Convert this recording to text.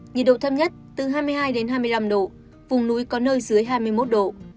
nhiệt độ thấp nhất từ hai mươi hai đến hai mươi năm độ vùng núi có nơi dưới hai mươi một độ